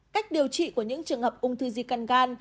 cách điều trị của những trường hợp ung thư di căn gan